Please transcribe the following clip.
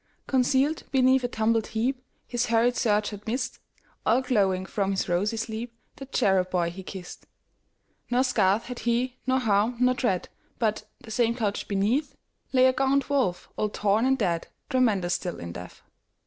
Concealed beneath a tumbled heapHis hurried search had missed, All glowing from his rosy sleep, The cherub boy he kissed. Nor scath had he, nor harm, nor dread, But, the same couch beneath, Lay a gaunt wolf, all torn and dead, Tremendous still in death.